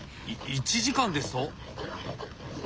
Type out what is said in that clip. い１時間ですと！？